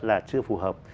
là chưa phù hợp